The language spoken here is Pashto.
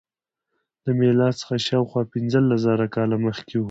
له میلاد څخه شاوخوا پنځلس زره کاله مخکې و.